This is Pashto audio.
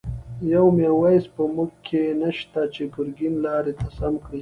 يو” ميرويس ” په موږکی نشته، چی ګر ګين لاری ته سم کړی